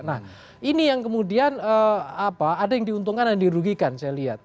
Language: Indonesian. nah ini yang kemudian ada yang diuntungkan dan dirugikan saya lihat